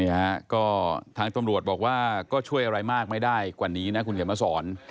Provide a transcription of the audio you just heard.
ฮะก็ทางตำรวจบอกว่าก็ช่วยอะไรมากไม่ได้กว่านี้นะคุณเขียนมาสอน